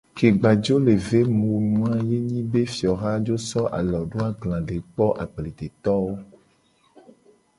Ke gba jo le ve mu wu nu a ye nyi be fioha jo so alo do agla le kpo agbledetowo.